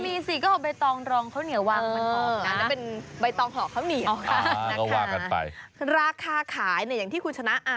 มีสิก็เอาใบตองรองข้าวเหนียววางมาของนะ